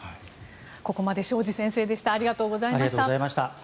ここまで庄司先生でした。